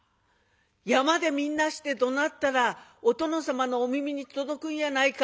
山でみんなしてどなったらお殿様のお耳に届くんやないか？」。